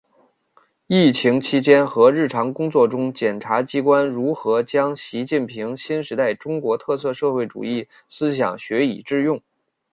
疫情期间和日常工作中检察机关如何将习近平新时代中国特色社会主义思想学以致用